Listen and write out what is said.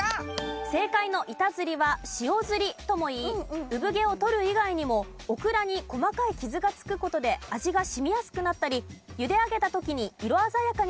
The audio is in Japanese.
正解の板ずりは塩ずりともいい産毛を取る以外にもオクラに細かい傷がつく事で味が染みやすくなったりゆで上げた時に色鮮やかになったりと